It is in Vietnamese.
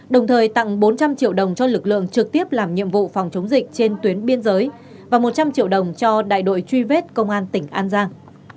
đồng thời tặng bốn trăm linh triệu đồng cho lực lượng trực tiếp làm nhiệm vụ phòng chống dịch trên tuyến biên giới và một trăm linh triệu đồng cho đại đội truy vết công an tỉnh an giang